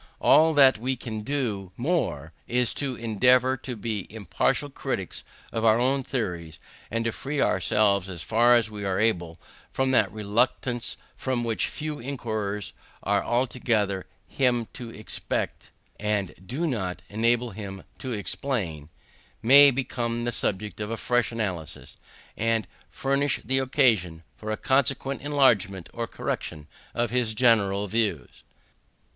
All that we can do more, is to endeavour to be impartial critics of our own theories, and to free ourselves, as far as we are able, from that reluctance from which few inquirers are altogether him to expect, and do not enable him to explain, may become the subject of a fresh analysis, and furnish the occasion for a consequent enlargement or correction of his general views.